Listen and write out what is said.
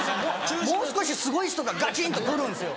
もう少しすごい人がガチンと来るんですよ。